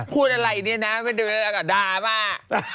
พูดอะไรเนี่ยนะดราม่า